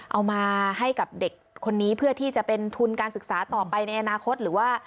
เอามาให้กับเด็กคนนี้เพื่อที่จะเป็นทุนการศึกษาต่อไปในอนาคตหรือว่า